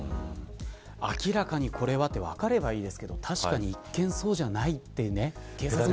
明らかに、これは、と分かればいいですけど一見そうじゃないという。